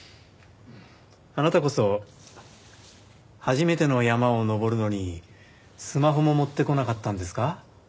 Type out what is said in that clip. あなたこそ初めての山を登るのにスマホも持ってこなかったんですか？